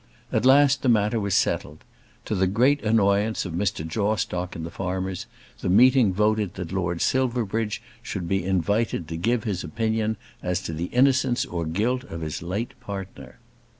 At last the matter was settled. To the great annoyance of Mr. Jawstock and the farmers, the meeting voted that Lord Silverbridge should be invited to give his opinion as to the innocence or guilt of his late partner.